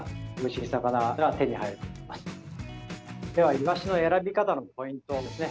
イワシの選び方のポイントです。